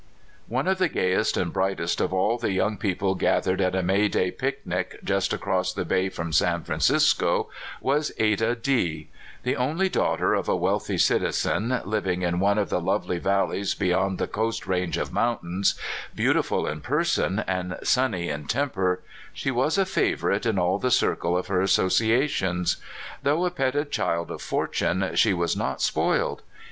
One of the gayest and brightest of all the young people gathered at a May day picnic, just across the bay from San Francisco, was Ada D . The only daughter of a wealthy citizen, living in one of the lovely valleys beyond the coast range of mountains, beautiful in person and sunny in tem per, she was a favorite in all the circle of her asso ciations. Though a petted child of fortune, she was not spoiled.